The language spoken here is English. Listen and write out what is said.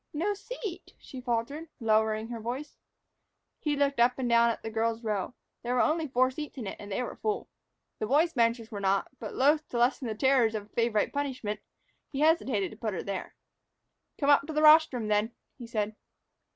"No seat," she faltered, lowering her voice. He looked up and down the girls' row; there were only four seats in it, and they were full. The boys' benches were not; but, loath to lessen the terrors of a favorite punishment, he hesitated to put her there. "Come up to the rostrum, then," he said.